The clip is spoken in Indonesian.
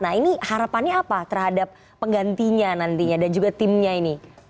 nah ini harapannya apa terhadap penggantinya nantinya dan juga timnya ini